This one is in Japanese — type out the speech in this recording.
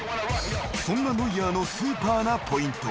［そんなノイアーのスーパーなポイント